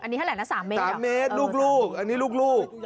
อันนี้เท่าไรนะสามเมตรสามเมตรลูกลูกอันนี้ลูกลูก